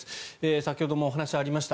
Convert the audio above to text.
先ほどもお話がありました